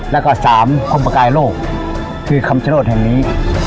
แล้วก็สามโปรปลากรายโลกที่คำฉลดแห่งนี้